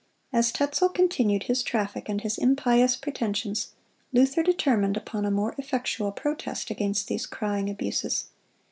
As Tetzel continued his traffic and his impious pretensions, Luther determined upon a more effectual protest against these crying abuses.